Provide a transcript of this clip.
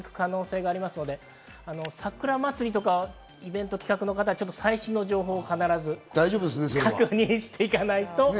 もうちょっと早まる可能性がありますので、桜祭りとかイベント企画の方は最新情報を必ず確認していかないと。